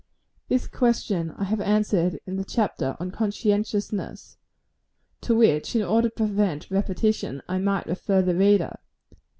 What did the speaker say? This question I have answered in the chapter on Conscientiousness to which, in order to prevent repetition, I might refer the reader.